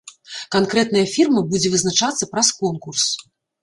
Канкрэтная фірма будзе вызначацца праз конкурс.